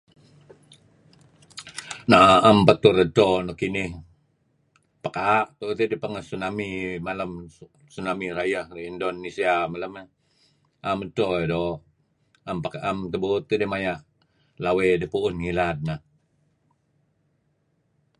um naam patur edcho nuk kinih pekaa pengeh sunami malem sunami rayeh ngi indonesia lem naam edcho do na-naam tebut teh idih baya lawe dih puun ngilad neh